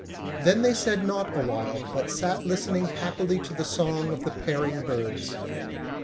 Then they said naught awhile, but sat listening happily to the song of the pairing birds.